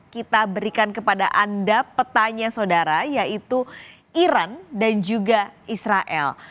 kita berikan kepada anda petanya saudara yaitu iran dan juga israel